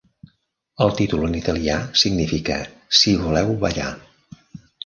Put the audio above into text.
El títol en italià significa "Si voleu ballar".